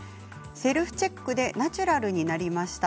セルフチェックでナチュラルになりました。